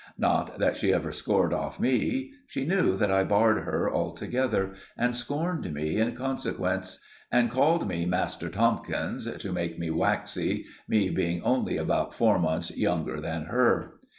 Not that she ever scored off me. She knew that I barred her altogether, and scorned me in consequence, and called me "Master Tomkins" to make me waxy, me being only about four months younger than her.